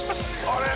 あれ？